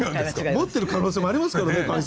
持ってる可能性もありますからね櫂先生。